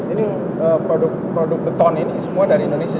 ini produk produk beton ini semua dari indonesia